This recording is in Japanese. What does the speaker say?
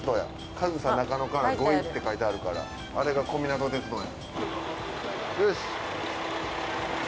上総中野から五井って書いてあるからあれが小湊鐡道や。